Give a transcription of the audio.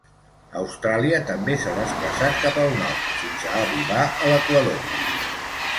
Austràlia també s'ha desplaçat cap al nord, fins a arribar a l'equador.